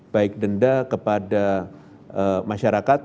baik denda kepada masyarakat